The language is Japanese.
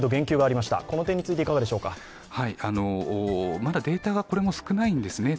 まだデータがこれも少ないんですね。